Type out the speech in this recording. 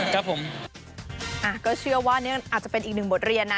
ครับผมก็เชื่อว่านี่อาจจะเป็นอีกหนึ่งบทเรียนนะ